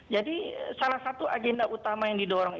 jadi salah satu agenda utama yang didorong itu